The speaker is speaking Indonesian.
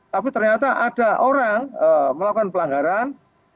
tapi ternyata ada orang melakukan pelanggaran